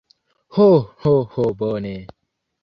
Ho, ho, ho bone.